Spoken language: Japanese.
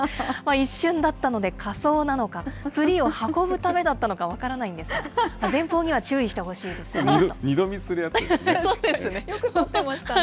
一瞬だったので、仮装なのか、ツリーを運ぶためだったのか分からないんですが、前方には注意し二度見するやつですね。